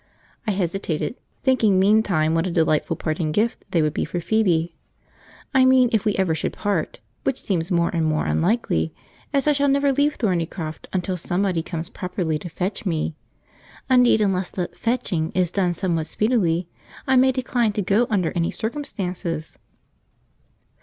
I hesitated, thinking meantime what a delightful parting gift they would be for Phoebe; I mean if we ever should part, which seems more and more unlikely, as I shall never leave Thornycroft until somebody comes properly to fetch me; indeed, unless the "fetching" is done somewhat speedily I may decline to go under any circumstances.